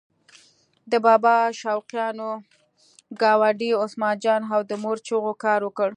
د بابا شوقیانو ګاونډي عثمان جان او د مور چغو کار وکړ.